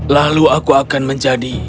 lalu aku akan menjadi